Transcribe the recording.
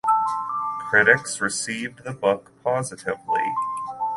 Critics received the book positively.